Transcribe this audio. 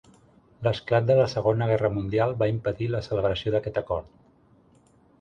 L'esclat de la Segona Guerra Mundial va impedir la celebració d'aquest acord.